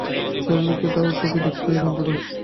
সরলাকে তো দেখতে মন্দ নয়।